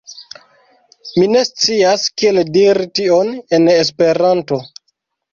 Mi ne scias kiel diri tion en Esperanto.